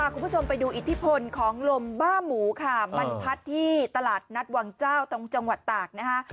คุณผู้ชมไปดูอิทธิพลของลมบ้าหมูค่ะมันพัดที่ตลาดนัดวังเจ้าตรงจังหวัดตากนะคะ